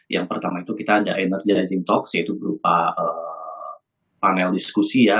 yang pertama itu kita ada energy rezing talks yaitu berupa panel diskusi ya